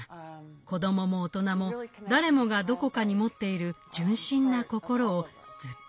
子供も大人も誰もがどこかに持っている純真な心をずっと大切にした人なのです。